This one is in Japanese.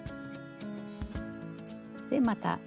でまた。